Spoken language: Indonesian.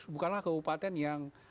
bukanlah kabupaten yang